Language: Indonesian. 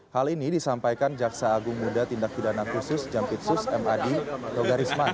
hal ini disampaikan jaksa agung muda tindak tidak nakusus jampitsus mad toga risman